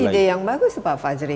ide yang bagus pak fajri